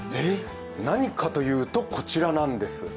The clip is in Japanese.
何かというと、こちらなんです。